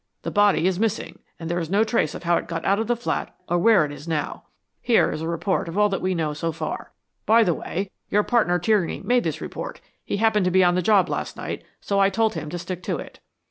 The body is missing, and there is no trace of how it got out of the flat or where it is now. Here is a report of all that we know so far. By the way, your partner Tierney made this report. He happened to be on the job last night, so I told him to stick to it."